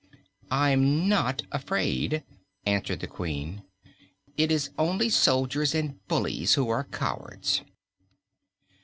"I'm not afraid," answered the Queen. "It is only soldiers and bullies who are cowards."